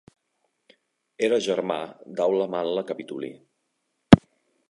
Era germà d'Aule Manle Capitolí.